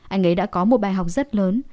anh ấy đã có một bài học rất lớn